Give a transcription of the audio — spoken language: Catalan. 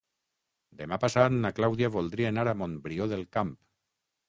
Demà passat na Clàudia voldria anar a Montbrió del Camp.